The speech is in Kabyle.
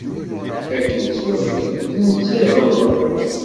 Akken ttwaliɣ, d netta i iɣelḍen.